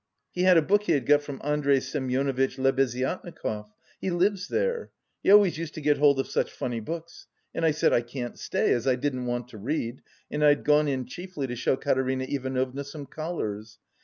He had a book he had got from Andrey Semyonovitch Lebeziatnikov, he lives there, he always used to get hold of such funny books. And I said, 'I can't stay,' as I didn't want to read, and I'd gone in chiefly to show Katerina Ivanovna some collars.